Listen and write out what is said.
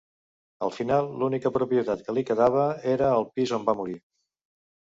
Al final, l'única propietat que li quedava era el pis on va morir.